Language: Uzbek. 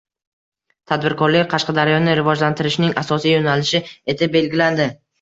Tadbirkorlik Qashqadaryoni rivojlantirishning asosiy yo‘nalishi etib belgilandi